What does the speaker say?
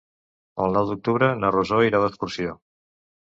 El nou d'octubre na Rosó irà d'excursió.